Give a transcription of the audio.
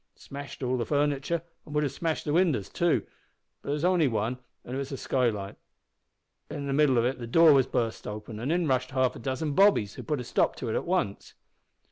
Smashed all the furniture, an' would have smashed the winders too, but there was only one, an' it was a skylight. In the middle of it the door was burst open, an' in rushed half a dozen bobbies, who put a stop to it at once.